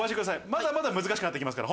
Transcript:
まだまだ難しくなっていきますから。